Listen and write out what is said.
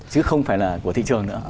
chứ không phải là của thị trường nữa